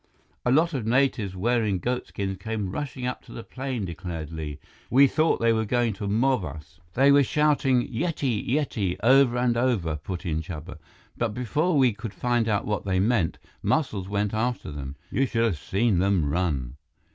"A lot of natives wearing goat skins came rushing up to the plane," declared Li. "We thought they were going to mob us." "They were shouting 'Yeti! Yeti!' over and over," put in Chuba, "but before we could find out what they meant, Muscles went after them. You should have seen them run."